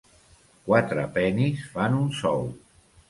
Quatre penis fan un sou.